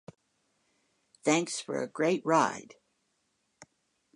Thanks for a great ride.